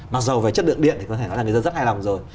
mặc dù về chất lượng điện thì có thể nói là người dân rất hài lòng rồi